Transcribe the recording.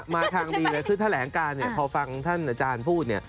มาทางดีคือแถลงการพอฟังท่านอาจารย์พูด